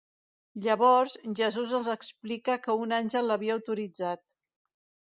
Llavors, Jesús els explica que un àngel l'havia autoritzat.